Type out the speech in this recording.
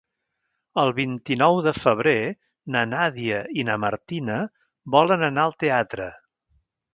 El vint-i-nou de febrer na Nàdia i na Martina volen anar al teatre.